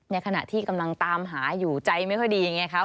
ในขณะที่กำลังตามหาอยู่ใจไม่ค่อยดีไงคะ